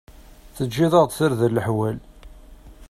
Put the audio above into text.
Teǧǧiḍ-aɣ-d tarda leḥwal.